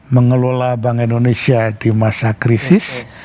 mengelola bank indonesia di masa krisis